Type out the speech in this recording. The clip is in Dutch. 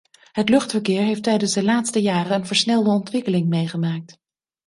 Het luchtverkeer heeft tijdens de laatste jaren een versnelde ontwikkeling meegemaakt.